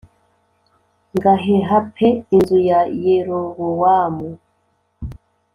ngaheha pe inzu ya Yerobowamu